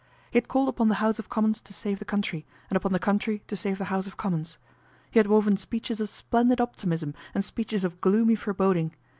He had called upon the House of Commons to save the country, and upon the country to save the House of Commons. He had woven speeches of splendid optimism and speeches of gloomy foreboding.